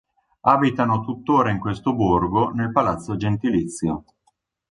Abitano tuttora in questo borgo nel palazzo gentilizio.